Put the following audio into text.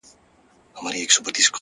د تکراري حُسن چيرمني هر ساعت نوې یې’